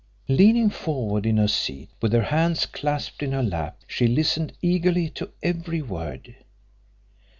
Leaning forward in her seat, with her hands clasped in her lap, she listened eagerly to every word.